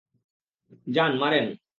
যান, মারেন।